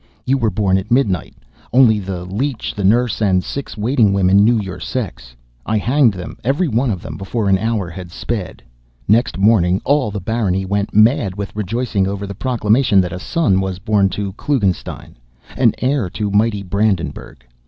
You were born at midnight. Only the leech, the nurse, and six waiting women knew your sex. I hanged them every one before an hour had sped. Next morning all the barony went mad with rejoicing over the proclamation that a son was born to Klugenstein, an heir to mighty Brandenburgh!